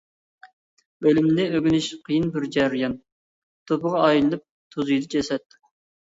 ئۆلۈمنى ئۆگىنىش قىيىن بىر جەريان، توپىغا ئايلىنىپ توزۇيدۇ جەسەت.